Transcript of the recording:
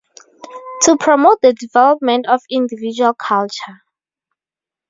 To promote the development of individual culture.